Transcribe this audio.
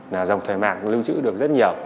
là rồng thời mạc lưu trữ được rất nhiều